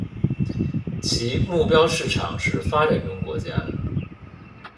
其目标市场是发展中国家。